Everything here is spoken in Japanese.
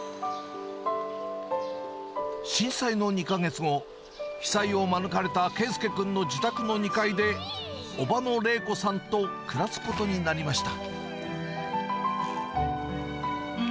震災の２か月後、被災を免れた、佳祐君の自宅の２階で、伯母の玲子さんと暮らすことになりました。